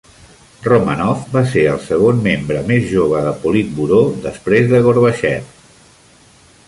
Romanov va ser el segon membre més jove de Politburó després de Gorbachev.